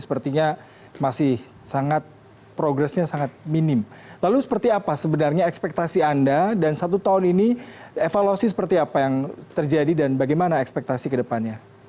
penyidik polri blikjan polisi muhammad iqbal mengatakan